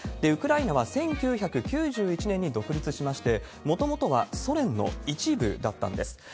ウクライナは１９９１年に独立しまして、もともとはソ連の一部だったんです。